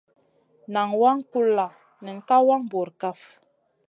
Nan waŋ kulla nen ka wang bura kaf.